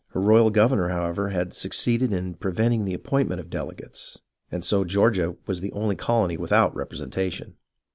Her royal governor, however, had succeeded in pre venting the appointment of delegates, and so Georgia was the only colony without representation.